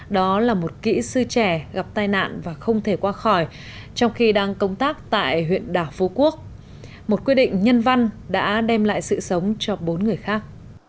đó là một kỹ sư trẻ gặp tai nạn và không thể qua khỏi trong khi đang công tác tại huyện đảo phú quốc một quy định nhân văn đã đem lại sự sống cho bốn người khác